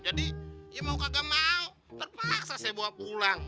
jadi ya mau kagak mau terpaksa saya bawa pulang